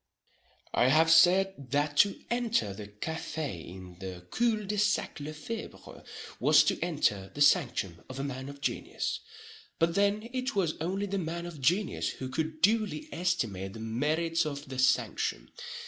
I have said that "to enter the café in the cul de sac Le Febre was to enter the sanctum of a man of genius"—but then it was only the man of genius who could duly estimate the merits of the sanctum.